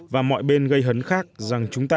và mọi bên gây hấn khác rằng chúng ta